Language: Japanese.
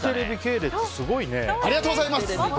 ありがとうございます！